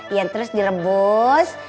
iya terus direbus